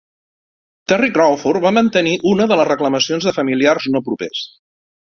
Terri Crawford va mantenir una de les reclamacions de familiars no propers.